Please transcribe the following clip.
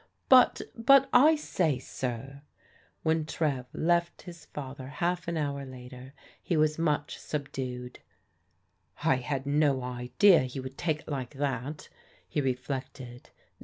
" But— but— I say, sir *' When Trev left his father half an hour later, he was much subdued. " I had no idea he would take it like that," he reflected.